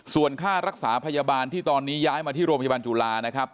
ส่วนค่ารักษาพยาบาลที่ตอนนี้ย้ายมาที่โรงพยาบาลจุฬานะครับ